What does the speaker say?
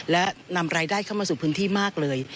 และนำรายได้เข้ามาสู่พื้นที่มากเลย